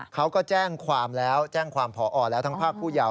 เขาก็แจ้งความแล้วแจ้งความผอแล้วทั้งภาคผู้ยาว